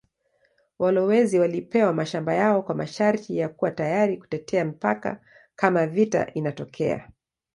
Walowezi walipewa mashamba yao kwa masharti ya kuwa tayari kutetea mipaka kama vita inatokea.